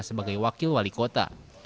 sebagai wakil wali kota